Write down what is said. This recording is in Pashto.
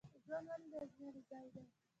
ژوند ولې د ازموینې ځای دی؟